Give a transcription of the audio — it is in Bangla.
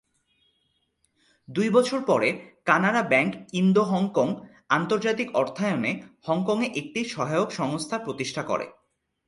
দুই বছর পরে কানাড়া ব্যাঙ্ক ইন্দো হংকং আন্তর্জাতিক অর্থায়নে হংকংয়ে একটি সহায়ক সংস্থা প্রতিষ্ঠা করে।